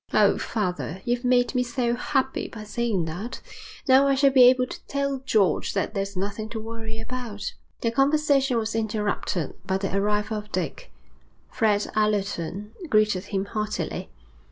'Oh, father, you've made me so happy by saying that. Now I shall be able to tell George that there's nothing to worry about.' Their conversation was interrupted by the arrival of Dick. Fred Allerton greeted him heartily.